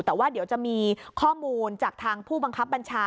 แต่ว่าเดี๋ยวจะมีข้อมูลจากทางผู้บังคับบัญชา